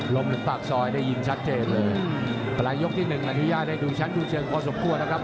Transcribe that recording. รวมถึงปากซอยได้ยินชัดเจนเลยปลายยกที่หนึ่งนาทีย่าได้ดูชั้นดูเชิงพอสมควรนะครับ